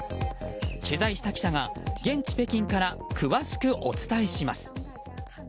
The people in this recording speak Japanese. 取材した記者が現地・北京から詳しくお伝えします。